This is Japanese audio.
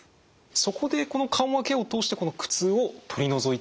そこでこの緩和ケアを通してこの苦痛を取り除いていくわけですね。